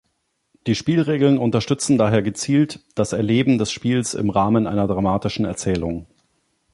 Die Spielregeln unterstützen daher gezielt das Erleben des Spiels im Rahmen einer dramatischen Erzählung.